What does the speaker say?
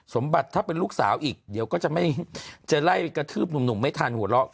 สมบัติถ้าเป็นลูกสาวอีกเดี๋ยวก็จะไล่กระทืบหนุ่มไม่ทันหัวเราะ